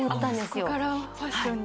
そこからファッションに。